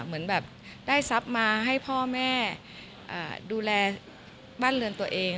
เหมือนแบบได้ทรัพย์มาให้พ่อแม่ดูแลบ้านเรือนตัวเอง